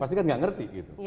pasti kan nggak ngerti gitu